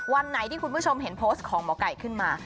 วันไหนที่คุณผู้ชมเห็นโพสต์ของหมอไก่ขึ้นมา